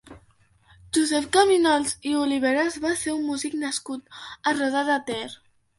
Josep Caminals i Oliveres va ser un músic nascut a Roda de Ter.